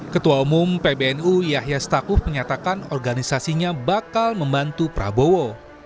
ketua umum pbnu yahya stakuf menyatakan organisasinya bakal membantu prabowo